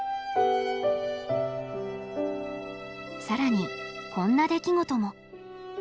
更にこんな出来事も。